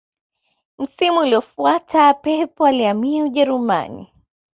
msimu uliyofuata pep alihamia ujerumani